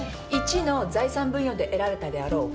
①の財産分与で得られたであろうお金